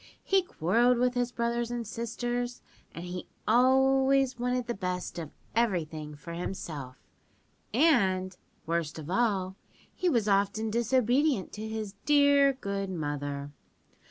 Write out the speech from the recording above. He quarrelled with his brothers and sisters, and he always wanted the best of everything for himself, and, worst of all, he was often disobedient to his dear good mother.